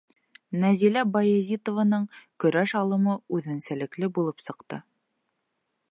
Нәзилә Баязитованың көрәш алымы үҙенсәлекле булып сыҡты.